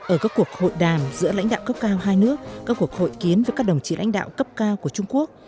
ở các cuộc hội đàm giữa lãnh đạo cấp cao hai nước các cuộc hội kiến với các đồng chí lãnh đạo cấp cao của trung quốc